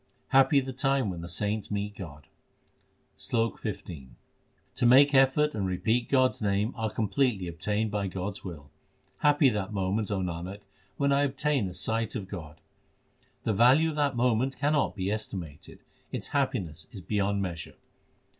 Happy the time when the saints meet God : SLOK XV To make effort and repeat God s name are completely obtained by God s will. Happy that moment, O Nanak, when I obtain a sight of God! The value of that moment cannot be estimated ; its happiness is beyond measure.